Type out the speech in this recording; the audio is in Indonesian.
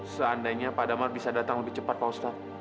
seandainya pak damar bisa datang lebih cepat pak ustadz